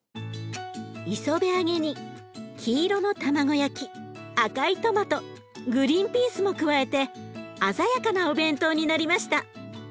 磯辺揚げに黄色の卵焼き赤いトマトグリンピースも加えて鮮やかなお弁当になりました。